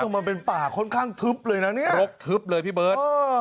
มันเป็นป่าค่อนข้างทึบเลยนะเนี่ยรกทึบเลยพี่เบิร์ต